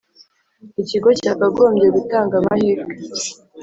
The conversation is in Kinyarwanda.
ikigo cya kagomby gutanga amahirwe